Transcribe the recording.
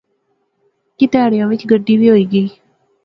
کی تہاڑیاں وچ گڈی وی ہوئی گئی